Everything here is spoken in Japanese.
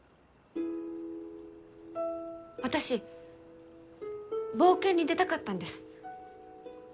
私冒険に出たかったんです。